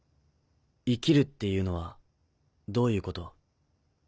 生きるっていうのはどういうこと？